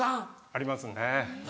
ありますね。